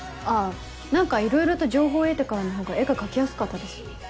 何かいろいろと情報を得てからのほうが絵が描きやすかったです。